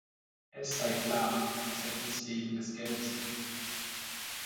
Es sei klar, dass er dies wegen des Geldes tue.